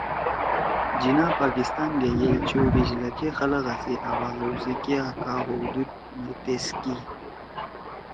جناح پاکستان گے یئیل چوَبیش لکھے خلگا سی آباد ہَؤ سی کیا کا ہوبھؤدُود او تیس کی